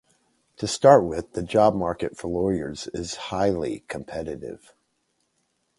To start with, the job market for lawyers is highly competitive.